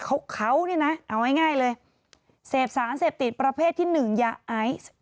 เขาเขาเนี่ยนะเอาง่ายเลยเสพสารเสพติดประเภทที่หนึ่งยาไอซ์